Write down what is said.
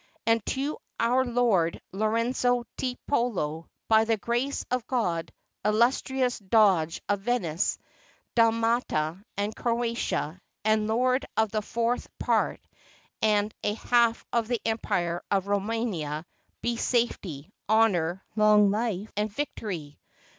And to our Lord Lorenzo Tiepolo, by the grace of God, illustrious Doge of Venice, Dalmatia, and Croatia, and lord of the fourth part and a haK of the Empire of Romania, be safety, honor, long Ufe, and victory!